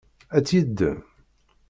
Ad tt-yeddem?